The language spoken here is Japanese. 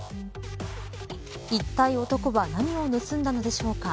いったい男は何を盗んだのでしょうか。